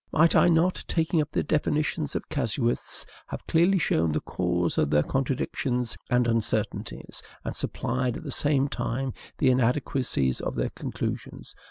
Might I not, taking up the definitions of casuists, have clearly shown the cause of their contradictions and uncertainties, and supplied, at the same time, the inadequacies of their conclusions?